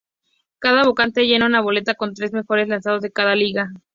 Cada votante llena una boleta con los tres mejores lanzadores de cada liga.